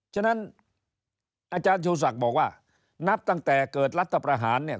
ฉะนั้นอาจารย์ชูศักดิ์บอกว่านับตั้งแต่เกิดรัฐประหารเนี่ย